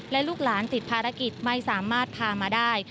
และลูกหลานติดภารกิจไม่สามารถพามาได้